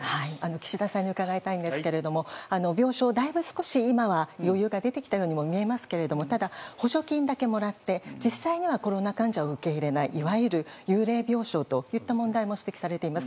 岸田さんに伺いたいんですけれども病床に今は余裕が出てきたようにも見えますが実際は補助金だけもらって実際にはコロナ患者を受け入れない幽霊病床の問題も指摘されています。